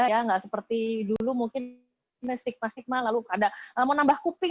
tidak seperti dulu mungkin stigma stigma lalu kadang mau nambah kuping